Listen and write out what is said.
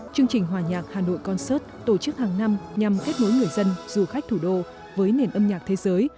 chương trình hòa nhạc hà nội concert tổ chức hàng năm nhằm kết nối người dân du khách thủ đô với nền âm nhạc thế giới